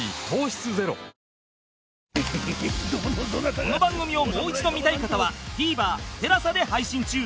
この番組をもう一度見たい方は ＴＶｅｒＴＥＬＡＳＡ で配信中